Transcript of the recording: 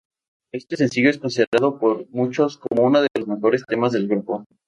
Este sencillo es considerado por muchos como uno de los mejores temas del grupo.